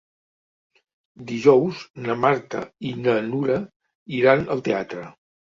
Dijous na Marta i na Nura iran al teatre.